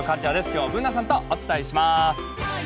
今日はＢｏｏｎａさんとお伝えします。